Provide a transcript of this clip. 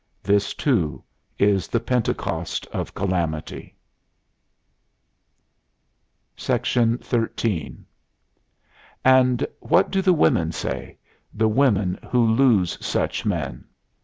This, too, is the Pentecost of Calamity. XIII And what do the women say the women who lose such men?